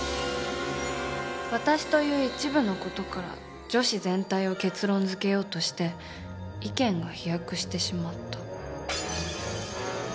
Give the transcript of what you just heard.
「私」という一部の事から女子全体を結論づけようとして意見が飛躍してしまった。